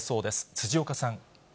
辻岡さん。